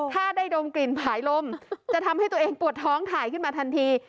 ถ้าได้ดมกลิ่นผายลมจะทำให้ตัวเองปวดท้องถ่ายขึ้นมาทันที